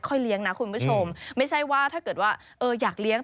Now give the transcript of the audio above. เลี้ยงนะคุณผู้ชมไม่ใช่ว่าถ้าเกิดว่าเอออยากเลี้ยง